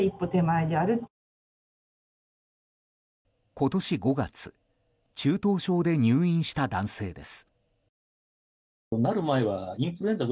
今年５月中等症で入院した男性です。